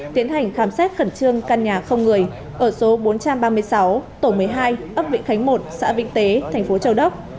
tiến hành khám xét khẩn trương căn nhà không người ở số bốn trăm ba mươi sáu tổ một mươi hai ấp vĩnh khánh một xã vĩnh tế thành phố châu đốc